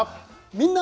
「みんな！